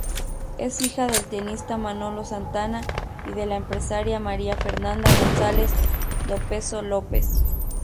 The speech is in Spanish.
Es hija del tenista Manolo Santana y de la empresaria María Fernanda González-Dopeso López.